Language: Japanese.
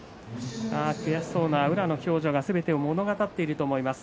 悔しそうな宇良の表情がすべてを物語っていると思います。